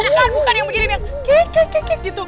bukan bukan bukan yang begini yang kek kek kek gitu